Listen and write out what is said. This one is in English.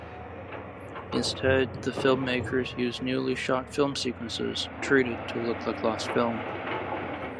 Instead, the filmmakers used newly shot film sequences treated to look like lost film.